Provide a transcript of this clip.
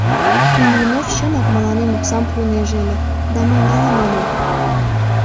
Ильинов чынак мыланем оксам пуынеже ыле, да мый налын омыл».